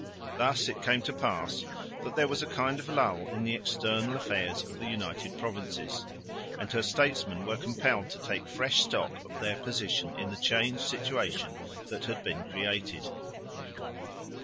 Thus it came to pass that there was a kind of lull in the external affairs of the United Provinces; and her statesmen were compelled to take fresh stock of their position in the changed situation that had been created.